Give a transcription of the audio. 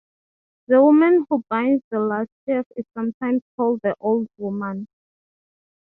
"The woman who binds the last sheaf is sometimes called "the Old Woman"."